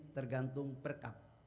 tergantung per kap